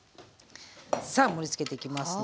さあ盛りつけていきますね。